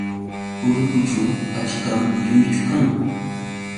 Urqućhu achkam lluychu kan.